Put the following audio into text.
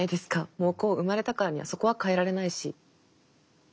もうこう生まれたからにはそこは変えられないし。